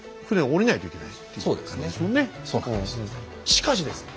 しかしですね